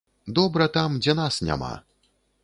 Добра там, дзе нас няма.